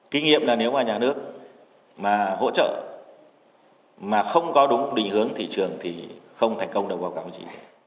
kinh nghiệm là nếu mà nhà nước mà hỗ trợ mà không có đúng định hướng thị trường thì không thành công được bao gồm gì